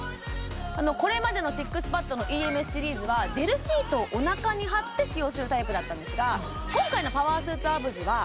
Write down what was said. これまでのＳＩＸＰＡＤのＥＭＳシリーズはジェルシートをお腹に貼って使用するタイプだったんですが今回のパワースーツアブズは特殊加工を施したＳＩＸＰＡＤ